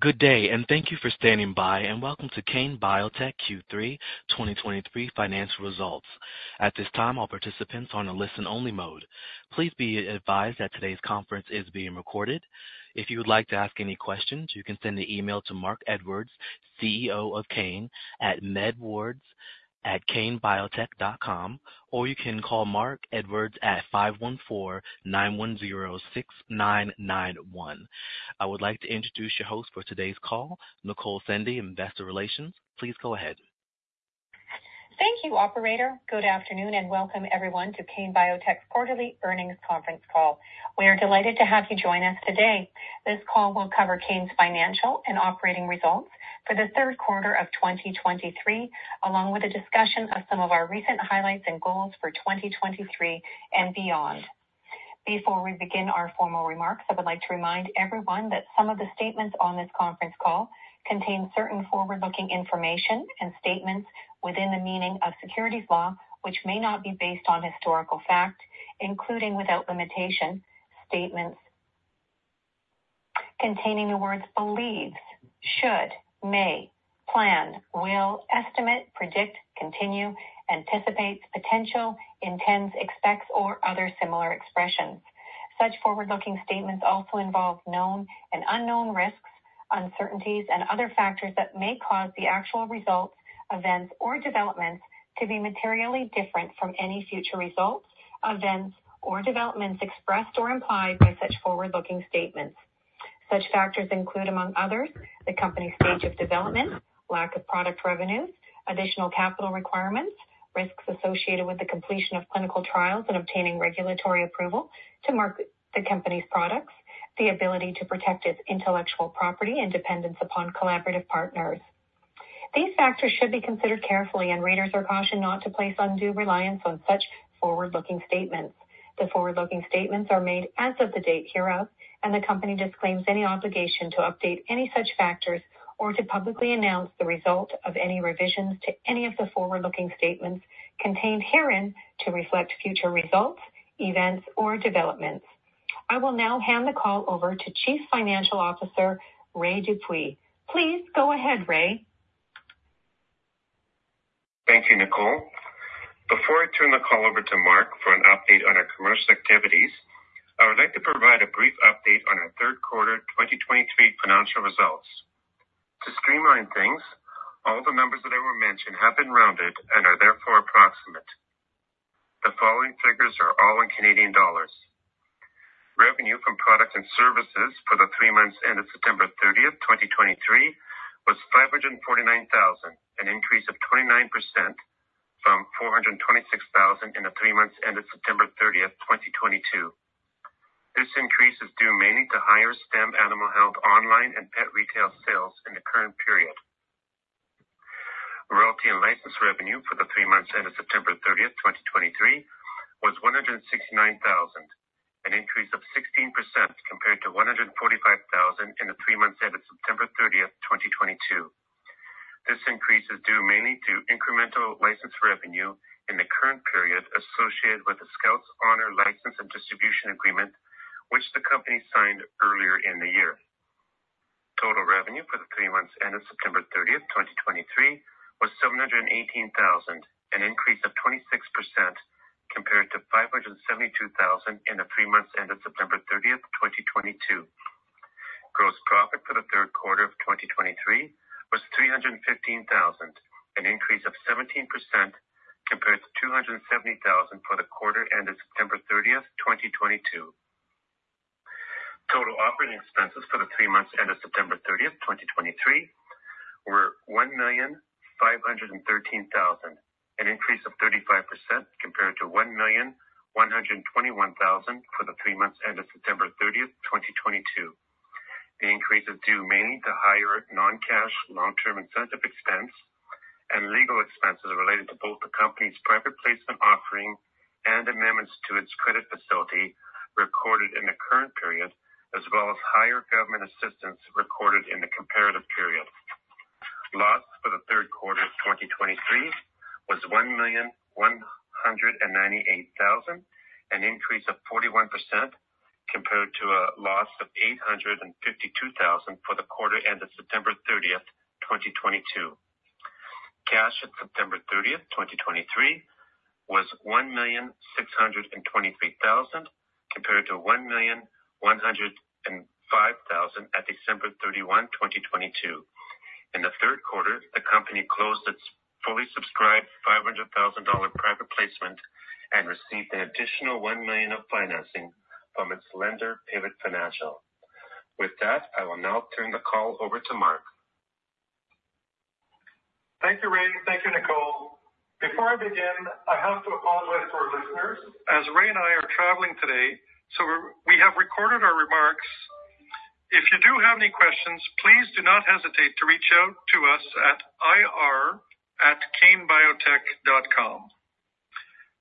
Good day, and thank you for standing by, and welcome to Kane Biotech Q3 2023 financial results. At this time, all participants are on a listen-only mode. Please be advised that today's conference is being recorded. If you would like to ask any questions, you can send an email to Marc Edwards, CEO of Kane, at medwards@kanebiotech.com, or you can call Marc Edwards at 514-910-6991. I would like to introduce your host for today's call, Nicole Sendey, Investor Relations. Please go ahead. Thank you, operator. Good afternoon, and welcome everyone to Kane Biotech's quarterly earnings conference call. We are delighted to have you join us today. This call will cover Kane's financial and operating results for the third quarter of 2023, along with a discussion of some of our recent highlights and goals for 2023 and beyond. Before we begin our formal remarks, I would like to remind everyone that some of the statements on this conference call contain certain forward-looking information and statements within the meaning of securities law, which may not be based on historical fact, including, without limitation, statements containing the words believes, should, may, plan, will, estimate, predict, continue, anticipates, potential, intends, expects, or other similar expressions. Such forward-looking statements also involve known and unknown risks, uncertainties, and other factors that may cause the actual results, events, or developments to be materially different from any future results, events, or developments expressed or implied by such forward-looking statements. Such factors include, among others, the company's stage of development, lack of product revenues, additional capital requirements, risks associated with the completion of clinical trials and obtaining regulatory approval to market the company's products, the ability to protect its intellectual property, and dependence upon collaborative partners. These factors should be considered carefully and readers are cautioned not to place undue reliance on such forward-looking statements. The forward-looking statements are made as of the date hereof, and the company disclaims any obligation to update any such factors or to publicly announce the result of any revisions to any of the forward-looking statements contained herein to reflect future results, events, or developments. I will now hand the call over to Chief Financial Officer, Ray Dupuis. Please go ahead, Ray. Thank you, Nicole. Before I turn the call over to Marc for an update on our commercial activities, I would like to provide a brief update on our third quarter 2023 financial results. To streamline things, all the numbers that I will mention have been rounded and are therefore approximate. The following figures are all in Canadian dollars. Revenue from products and services for the three months ended September 30, 2023, was 549,000, an increase of 29% from 426,000 in the three months ended September 30, 2022. This increase is due mainly to higher STEM Animal Health online and pet retail sales in the current period. Royalty and license revenue for the three months ended September 30, 2023, was 169,000, an increase of 16% compared to 145 ,000 in the three months ended September 30, 2022. This increase is due mainly to incremental license revenue in the current period associated with the Skout's Honor license and distribution agreement, which the company signed earlier in the year. Total revenue for the three months ended September 30, 2023, was 718,000, an increase of 26% compared to 572,000 in the three months ended September 30, 2022. Gross profit for the third quarter of 2023 was 315,000, an increase of 17% compared to 270,000 for the quarter ended September 30, 2022. Total operating expenses for the three months ended September 30, 2023, were 1.513 million, an increase of 35% compared to 1.121 million for the three months ended September 30, 2022. The increase is due mainly to higher non-cash, long-term incentive expense and legal expenses related to both the company's private placement offering and amendments to its credit facility recorded in the current period, as well as higher government assistance recorded in the comparative period. Loss for the third quarter of 2023 was 1.198 million, an increase of 41% compared to a loss of 852,000 for the quarter end of September 30, 2022. Cash at September 30, 2023, was 1,623,000, compared to 1,105,000 at December 31, 2022. In the third quarter, the company closed its fully subscribed 500,000 dollar private placement and received an additional 1 million of financing from its lender, Pivot Financial. With that, I will now turn the call over to Marc. Thank you, Ray. Thank you, Nicole. Before I begin, I have to apologize to our listeners as Ray and I are traveling today, so we're, we have recorded our remarks. If you do have any questions, please do not hesitate to reach out to us at ir@kanebiotech.com.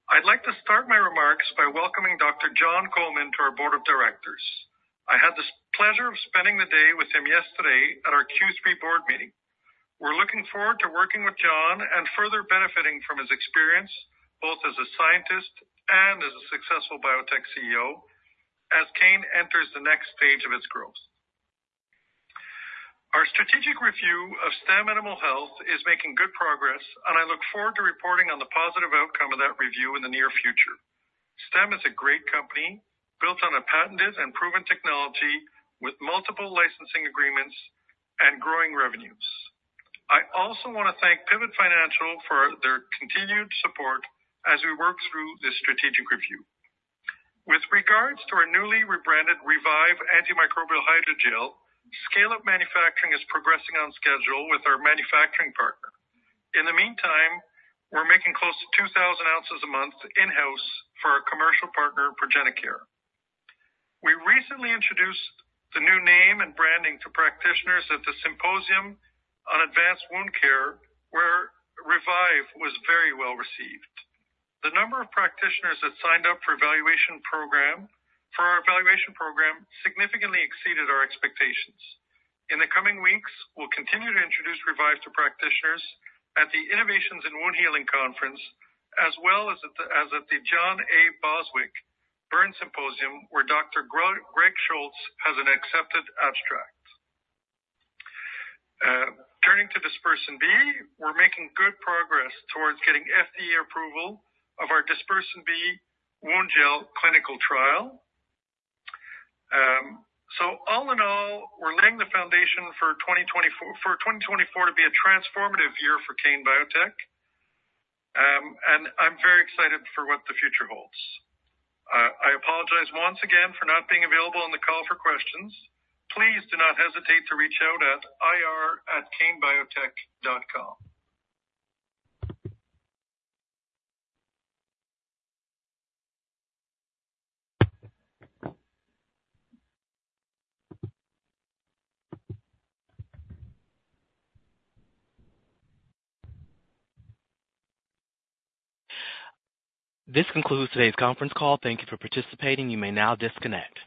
I'd like to start my remarks by welcoming Dr. John Coleman to our board of directors. I had the pleasure of spending the day with him yesterday at our Q3 board meeting. We're looking forward to working with John and further benefiting from his experience, both as a scientist and as a successful biotech CEO, as Kane enters the next page of its growth. Our strategic review of STEM Animal Health is making good progress, and I look forward to reporting on the positive outcome of that review in the near future. STEM is a great company, built on a patented and proven technology with multiple licensing agreements and growing revenues. I also want to thank Pivot Financial for their continued support as we work through this strategic review. With regards to our newly rebranded revyve Antimicrobial Hydrogel, scale-up manufacturing is progressing on schedule with our manufacturing partner. In the meantime, we're making close to 2,000 ounces a month in-house for our commercial partner, Progenacare. We recently introduced the new name and branding to practitioners at the Symposium on Advanced Wound Care, where revyve was very well received. The number of practitioners that signed up for our evaluation program significantly exceeded our expectations. In the coming weeks, we'll continue to introduce revyve to practitioners at the Innovations in Wound Healing Conference, as well as at the John A. Boswick Burn Symposium, where Dr. Greg Schultz has an accepted abstract. Turning to DispersinB, we're making good progress towards getting FDA approval of our DispersinB wound gel clinical trial. So all in all, we're laying the foundation for 2024, for 2024 to be a transformative year for Kane Biotech, and I'm very excited for what the future holds. I apologize once again for not being available on the call for questions. Please do not hesitate to reach out at ir@kanebiotech.com. This concludes today's conference call. Thank you for participating. You may now disconnect.